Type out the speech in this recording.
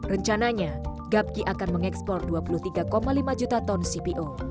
rencananya gapki akan mengekspor dua puluh tiga lima juta ton cpo